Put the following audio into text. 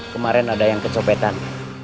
kemarin ada yang kecopetan